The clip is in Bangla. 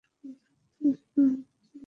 কিছুক্ষণের মধ্যে চলে আসবো।